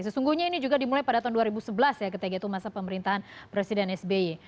sesungguhnya ini juga dimulai pada tahun dua ribu sebelas ya ketika itu masa pemerintahan presiden sby